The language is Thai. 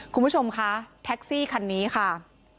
คุณผู้ชมคะแท็กซี่คันนี้ค่ะ